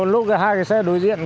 lúc hai cái xe đối diện